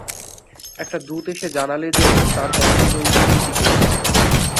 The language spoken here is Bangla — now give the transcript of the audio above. একটা দূত এসে জানালে যে তাঁর পছন্দ ঐ সুরীতিকেই।